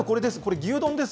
牛丼です。